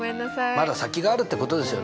まだ先があるってことですよね。